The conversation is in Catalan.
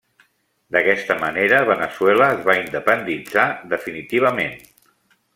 D'aquesta manera Veneçuela es va independitzar definitivament.